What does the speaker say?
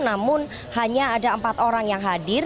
namun hanya ada empat orang yang hadir